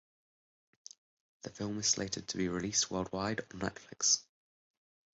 The film is slated to be released worldwide on Netflix.